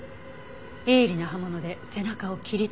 鋭利な刃物で背中を切りつけられた。